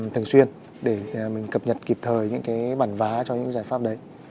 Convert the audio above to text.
thường xuyên để mình cập nhật kịp thời những cái bản vá cho những giải pháp đấy